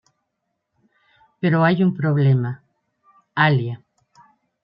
Pero hay un problema: Alia.